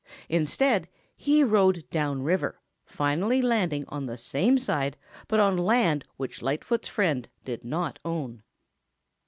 Instead, he rowed down the river, finally landing on the same side but on land which Lightfoot's friend did not own.